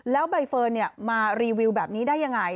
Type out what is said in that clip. แล้วใบเฟิร์นมารีวิวแบบนี้ได้ยังไง